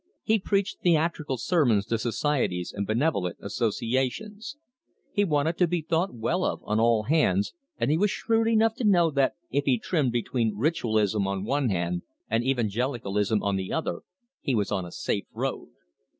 He preached theatrical sermons to societies and benevolent associations. He wanted to be thought well of on all hands, and he was shrewd enough to know that if he trimmed between ritualism on one hand and evangelicism on the other, he was on a safe road.